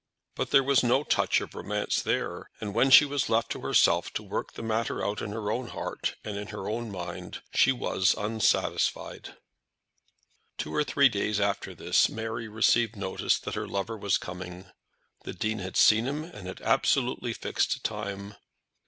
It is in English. But there was no touch of romance there; and when she was left to herself to work the matter out in her own heart and in her own mind she was unsatisfied. Two or three days after this Mary received notice that her lover was coming. The Dean had seen him and had absolutely fixed a time.